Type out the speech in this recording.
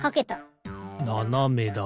ななめだね。